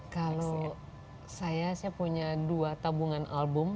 kalau saya saya punya dua tabungan album